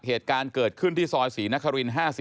เหตุการณ์เกิดขึ้นที่ซอยศรีนคริน๕๔